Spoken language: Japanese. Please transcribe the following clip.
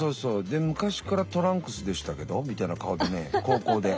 で「昔からトランクスでしたけど」みたいな顔でね高校で。